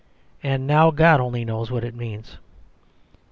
And now God only knows what it means."